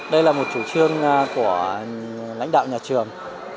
đây là một chủ trương của lãnh đạo nhà trường